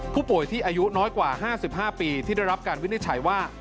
ผู้ป่วยที่อายุน้อยกว่า๕๕ปีที่ได้รับการวินิจฉัยว่า